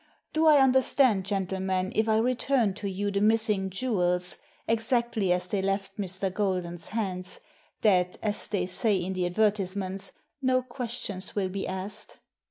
" Do I understand, gentlemen, if I return to you the missing jewels, exactly as they left Mr. Golden's hands, that, as they say in the advertisements, no questions will be asked?"